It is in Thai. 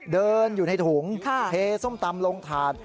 เดินอยู่ในถุงเทส้มตำลงถาด